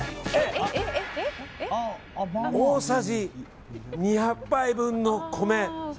大さじ２００杯分の米！